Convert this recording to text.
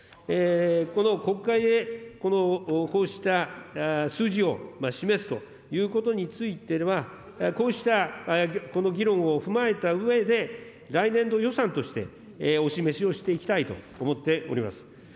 この国会で、このこうした数字を示すということについては、こうしたこの議論を踏まえたうえで、来年度予算としてお示しをしていきたいと思っております。